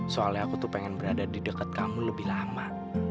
soalnya aku tuh pengen berada di dekat kamu lebih lama